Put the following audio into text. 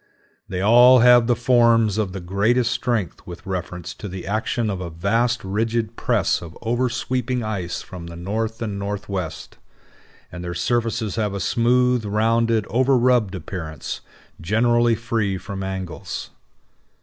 They all have the forms of the greatest strength with reference to the action of a vast rigid press of oversweeping ice from the north and northwest, and their surfaces have a smooth, rounded, overrubbed appearance, generally free from angles.